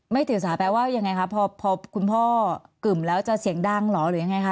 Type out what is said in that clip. ถือสาแปลว่ายังไงคะพอคุณพ่อกึ่มแล้วจะเสียงดังเหรอหรือยังไงคะ